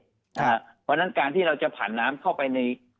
เพราะฉะนั้นการที่เราจะผ่านน้ำเข้าไปใน